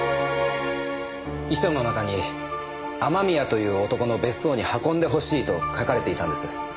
遺書の中に雨宮という男の別荘に運んでほしいと書かれていたんです。